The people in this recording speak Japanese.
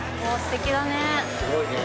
すごいね。